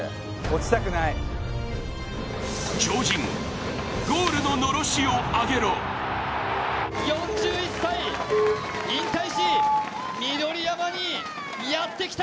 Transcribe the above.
超人・ゴールののーろしを上げろ４１歳、引退し、緑山にやってきた。